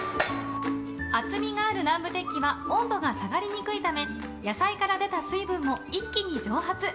厚みがある南部鉄器は温度が下がりにくいため野菜から出た水分も一気に蒸発。